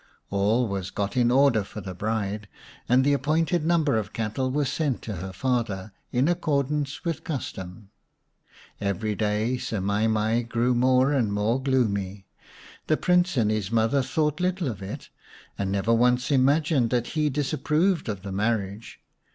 All was got into order for the bride, and the appointed number of cattle were sent to her father, in accordance with custom. Every day Semai mai grew more and more gloomy. The Prince and his mother thought little of it, and never once imagined that he disapproved of the marriage.